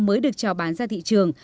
mới được trò bán ra thị trường